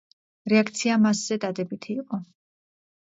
რეაქცია მასზე დადებითი იყო.